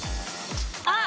あっ！